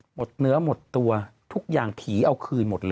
หมดเนื้อหมดตัวทุกอย่างผีเอาคืนหมดเลย